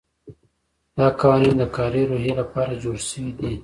دا قوانین د کاري رویې لپاره جوړ شوي دي.